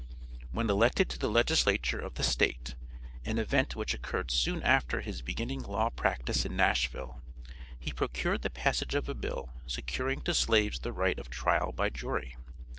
When elected to the legislature of the State, an event which occurred soon after his beginning law practice in Nashville, he procured the passage of a bill securing to slaves the right of trial by jury.